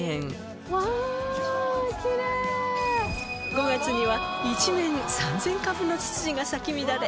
５月には一面３０００株のつつじが咲き乱れ